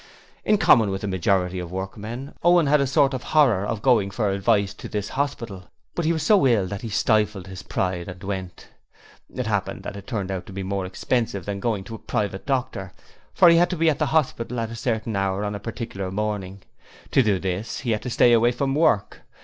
In common with the majority of workmen, Owen had a sort of horror of going for advice to this hospital, but he was so ill that he stifled his pride and went. It happened that it turned out to be more expensive than going to a private doctor, for he had to be at the hospital at a certain hour on a particular morning. To do this he had to stay away from work.